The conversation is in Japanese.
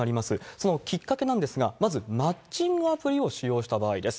そのきっかけなんですが、まずマッチングアプリを使用した場合です。